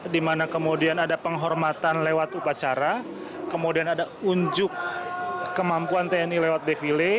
di mana kemudian ada penghormatan lewat upacara kemudian ada unjuk kemampuan tni lewat defile